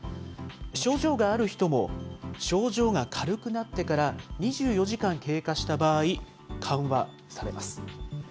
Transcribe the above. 症状がある人も症状が軽くなってから２４時間経過した場合、緩和されます。